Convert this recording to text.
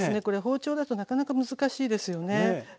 これ包丁だとなかなか難しいですよね。